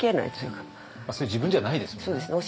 それ自分じゃないですもんね。